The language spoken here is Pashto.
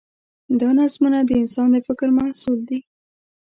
دا نظمونه د انسان د فکر محصول دي.